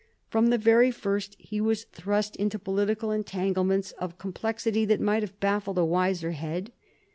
From the very first he was thrust into political entanglements of complexity that might have baffled a wiser head.